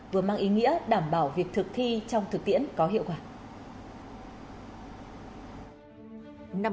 vừa mang ý nghĩa đảm bảo việc thực thi trong thực tiễn có hiệu quả